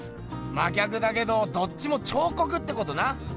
真逆だけどどっちも彫刻ってことな！